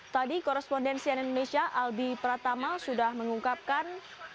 tadi korespondensian indonesia albi pratama sudah mengungkapkan